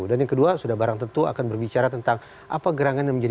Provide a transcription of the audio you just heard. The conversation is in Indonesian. dan yang kedua sudah barang tentu akan berbicara tentang apa gerangan yang terjadi